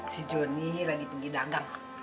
si joni lagi pergi dagang